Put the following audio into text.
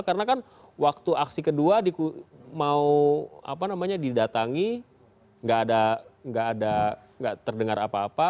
karena kan waktu aksi kedua mau didatangi nggak terdengar apa apa